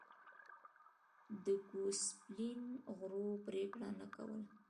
د ګوسپلین غړو پرېکړه نه کوله